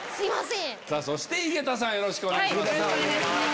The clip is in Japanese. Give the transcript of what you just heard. そして井桁さんよろしくお願いします。